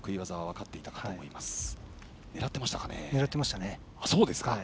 狙っていましたね。